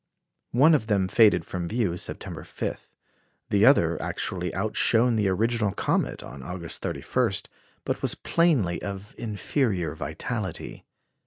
One of them faded from view September 5; the other actually outshone the original comet on August 31, but was plainly of inferior vitality.